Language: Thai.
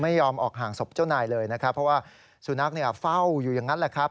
ไม่ยอมออกห่างศพเจ้านายเลยนะครับเพราะว่าสุนัขเนี่ยเฝ้าอยู่อย่างนั้นแหละครับ